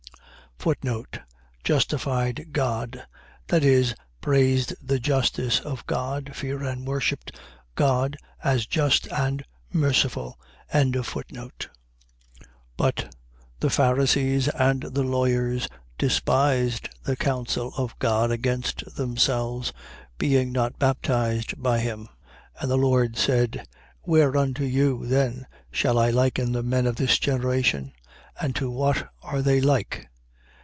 Justified God. . .that is, praised the justice of God, feared and worshipped God, as just and merciful. 7:30. But the Pharisees and the lawyers despised the counsel of God against themselves, being not baptized by him. 7:31. And the Lord said: Whereunto then shall I liken the men of this generation? And to what are they like?